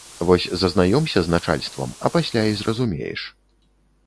Вось зазнаёмся з начальствам, а пасля і зразумееш.